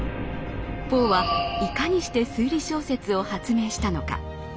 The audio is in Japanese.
ポーはいかにして推理小説を発明したのか。